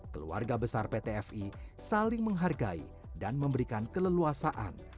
keluarga besar pt fi saling menghargai dan memberikan keleluasaan